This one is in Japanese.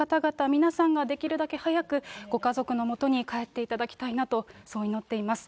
皆さんができるだけ早くご家族のもとに帰っていただきたいなと、そう祈っています。